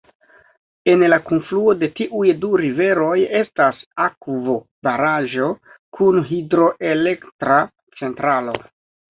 En la kunfluo de tiuj du riveroj estas akvobaraĵo kun hidroelektra centralo.